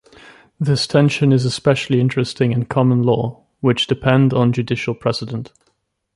This tension is especially interesting in common law, which depend on judicial precedent.